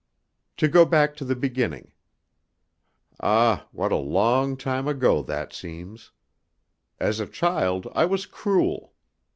To go back to the beginning. Ah! what a long time ago that seems! As a child I was cruel.